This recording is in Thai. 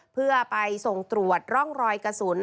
เพื่อไปส่งตรวจร่องรอยกระสุน